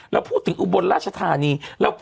เราพูดถึงอุบลราชธานี